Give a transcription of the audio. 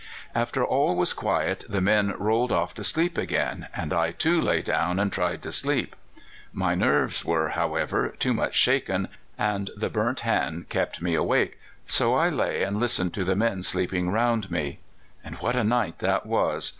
"After all was quiet the men rolled off to sleep again, and I too lay down and tried to sleep. My nerves were, however, too much shaken, and the burnt hand kept me awake, so I lay and listened to the men sleeping round me. And what a night that was!